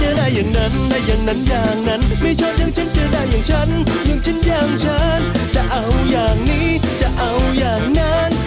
ดูแล้วคงไม่รอดเพราะเราคู่กัน